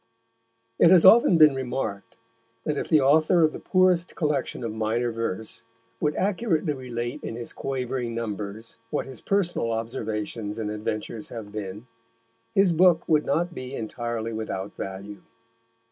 It has often been remarked that if the author of the poorest collection of minor verse would accurately relate in his quavering numbers what his personal observations and adventures have been, his book would not be entirely without value.